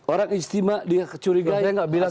orang istimewa dicurigai